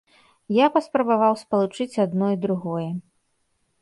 Я паспрабаваў спалучыць адно і другое.